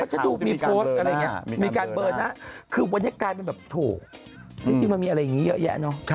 หมายถึงว่าพี่หนุ่มเห็นยัง